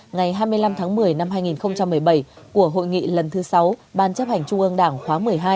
ngày hai mươi năm tháng một mươi năm hai nghìn một mươi bảy của hội nghị lần thứ sáu ban chấp hành trung ương đảng khóa một mươi hai